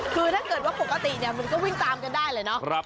คือถ้าเกิดว่าปกติเนี่ยมันก็วิ่งตามกันได้เลยเนาะ